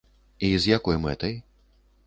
І з якой мэтай?